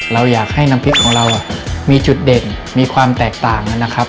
เราอยากให้น้ำพริกของเรามีจุดเด่นมีความแตกต่างนะครับ